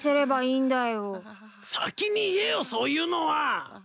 先に言えよそういうのは。